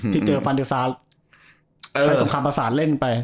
ที่เจอฟันเตอร์ซาใช้สมคัญภาษาเล่นไป